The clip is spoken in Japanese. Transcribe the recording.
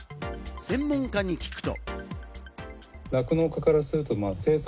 専門家に聞くと。